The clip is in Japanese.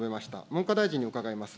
文科大臣に伺いします。